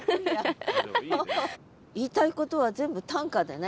言いたいことは全部短歌でね。